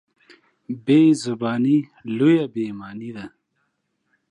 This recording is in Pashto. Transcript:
بېزباني لویه بېايماني ده.